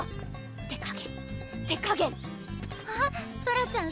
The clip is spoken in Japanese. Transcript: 手加減手加減あっソラちゃん